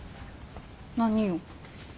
何を？